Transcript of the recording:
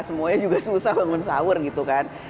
semuanya juga susah bangun sahur gitu kan